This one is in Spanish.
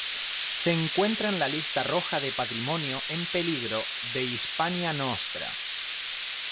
Se encuentra en la Lista roja de patrimonio en peligro de Hispania Nostra.